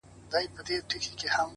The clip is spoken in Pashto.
ثابت قدم انسان منزل ته رسېږي؛